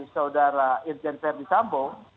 saudara irjen ferdisambo